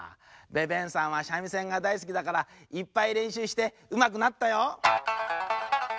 ベベンさんはしゃみせんがだいすきだからいっぱいれんしゅうしてうまくなったよ。